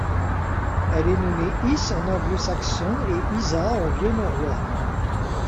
Elle est nommée Is en anglo-saxon et Isa en vieux norrois.